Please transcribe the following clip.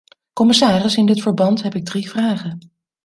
Commissaris, in dit verband heb ik drie vragen.